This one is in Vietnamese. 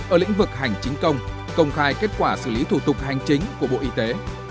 ở lĩnh vực hành chính công công khai kết quả xử lý thủ tục hành chính của bộ y tế